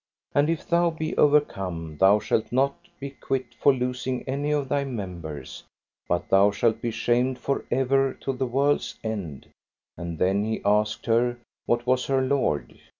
And if thou be overcome thou shall not be quit for losing of any of thy members, but thou shalt be shamed for ever to the world's end. And then he asked her what was her lord.